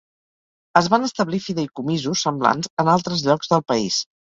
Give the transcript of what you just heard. Es van establir fideïcomisos semblants en altres llocs del país.